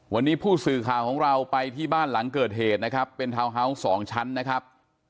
วันนี้ผู้สื่อข่าวของเราไปที่บ้านหลังเกิดเหตุนะครับเป็นทาวน์ฮาวส์สองชั้นนะครับ